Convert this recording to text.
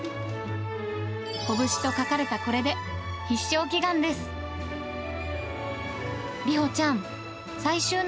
拳と書かれたこれで必勝祈願です。